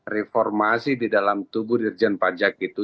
reformasi di dalam tubuh dirjen pajak itu